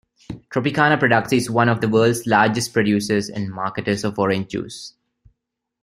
Tropicana Products is one of the world's largest producers and marketers of orange juice.